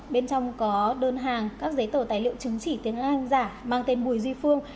bên trong có đơn hàng các giấy tờ tài liệu chứng chỉ tiếng lan giả mang tên bùi duy phương